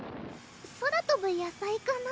空とぶ野菜かな？